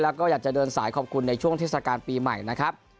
แล้วก็อยากจะเดินสายขอบคุณในช่วงเทศกาลปีใหม่นะครับ